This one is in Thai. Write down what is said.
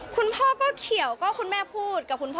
คุณพ่อก็เขียวก็คุณแม่พูดกับคุณพ่อ